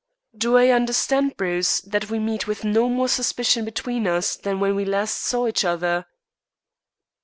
"Do I understand, Bruce, that we meet with no more suspicion between us than when we last saw each other?"